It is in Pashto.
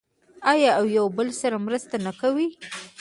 آیا او یو بل سره مرسته نه کوي؟